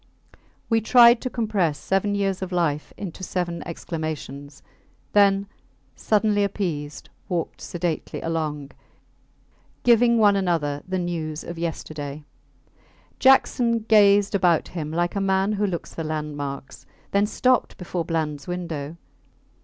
We tried to compress seven years of life into seven exclamations; then, suddenly appeased, walked sedately along, giving one another the news of yesterday. Jackson gazed about him, like a man who looks for landmarks, then stopped before Blands window.